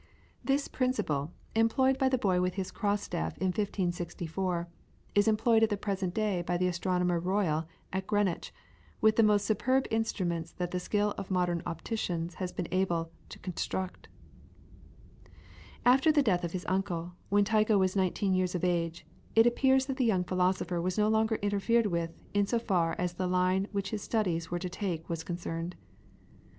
This principle, employed by the boy with his cross staff in 1564, is employed at the present day by the Astronomer Royal at Greenwich with the most superb instruments that the skill of modern opticians has been able to construct. [PLATE: TYCHO'S TRIGONIC SEXTANT. (The arms, AB and AC, are about 5 1/2 ft. long.)] After the death of his uncle, when Tycho was nineteen years of age, it appears that the young philosopher was no longer interfered with in so far as the line which his studies were to take was concerned.